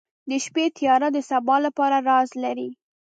• د شپې تیاره د سبا لپاره راز لري.